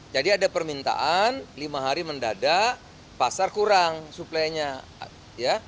jadi ada permintaan lima hari mendadak pasar kurang suplainya